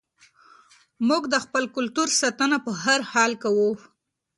موږ د خپل کلتور ساتنه په هر حال کې کوو.